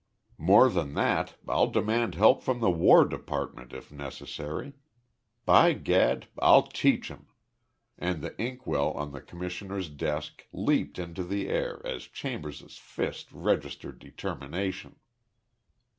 "More than that, I'll demand help from the War Department, if necessary! By Gad! I'll teach 'em!" and the inkwell on the Commissioner's desk leaped into the air as Chambers's fist registered determination.